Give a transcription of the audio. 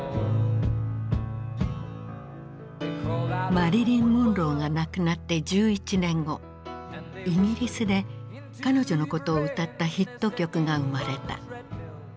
マリリン・モンローが亡くなって１１年後イギリスで彼女のことを歌ったヒット曲が生まれた。